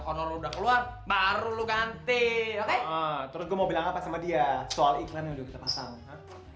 konor udah keluar baru lu ganti oke terus mau bilang apa sama dia soal iklan kita pasang